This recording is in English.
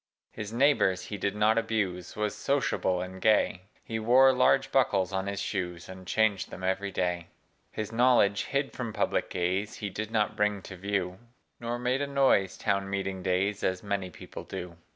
His neighbors he did not abuse Was sociable and gay: He wore large buckles on his shoes. And changed them every day. His knowledge, hid from public gaze, He did not bring to view, Nor made a noise, town meeting days, As many people do.